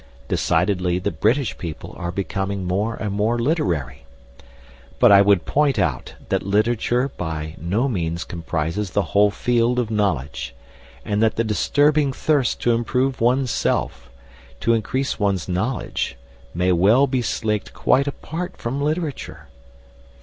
Decidedly the British people are becoming more and more literary. But I would point out that literature by no means comprises the whole field of knowledge, and that the disturbing thirst to improve one's self to increase one's knowledge may well be slaked quite apart from literature.